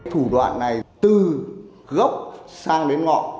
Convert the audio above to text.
thủ đoạn này từ gốc sang đến ngọn